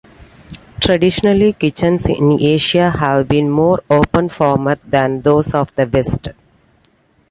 Traditionally, kitchens in Asia have been more open format than those of the West.